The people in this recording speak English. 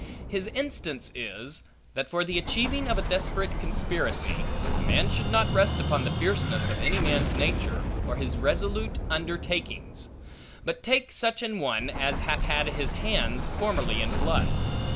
His instance is, that for the achieving of a desperate conspiracy, a man should not rest upon the fierceness of any man's nature, or his resolute undertakings; but take such an one, as hath had his hands formerly in blood.